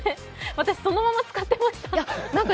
私、そのまま使ってました。